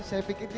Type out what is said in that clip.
saya pikir dia